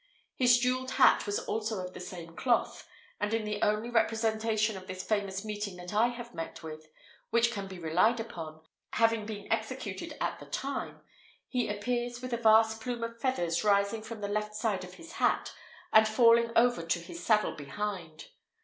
His jewelled hat was also of the same cloth; and in the only representation of this famous meeting that I have met with, which can be relied upon, having been executed at the time, he appears with a vast plume of feathers, rising from the left side of his hat, and falling over to his saddle behind.